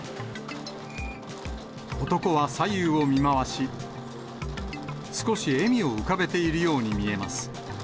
男は左右を見回し、少し笑みを浮かべているように見えます。